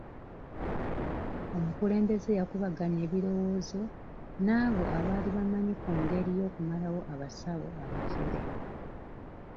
Omukulembeze yakubaganya ebirowoozo n'abo abaali bamanyi ku ngeri y'okumalawo abasawo abafere.